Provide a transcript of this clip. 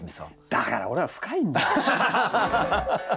だから俺は深いんだって！